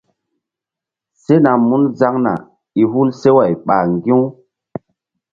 Sena mun zaŋna i hul seway ɓ ŋgi̧-u.